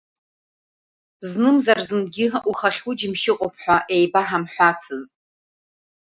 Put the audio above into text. Знымзар-зынгьы ухахьы уџьамшь ыҟоуп ҳәа еибаҳамҳәацызт.